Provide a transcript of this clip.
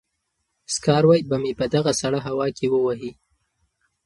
سکاروی به مې په دغه سړه هوا کې ووهي.